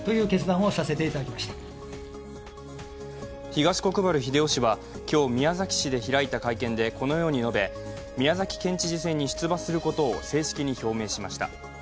東国原英夫氏は今日、宮崎市で開いた会見でこのように述べ、宮崎県知事選に出馬することを正式に表明しました。